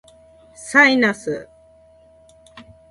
サイナス